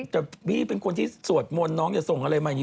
แต่พี่เป็นคนที่สวดมนต์น้องอย่าส่งอะไรมาอย่างนี้